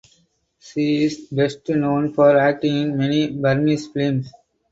She is best known for acting in many Burmese films.